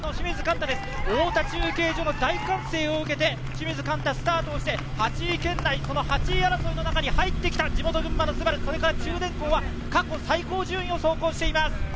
太田中継所の大歓声を受けて、清水歓太、スタートして８位圏内、８位争いの中に入ってきた地元・群馬のＳＵＢＡＲＵ。中電工は過去最高順位を走行しています。